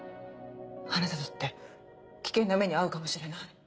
あなただって危険な目に遭うかもしれない。